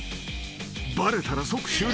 ［バレたら即終了］